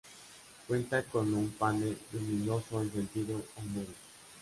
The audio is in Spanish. Cuenta con un panel luminoso en sentido Almería.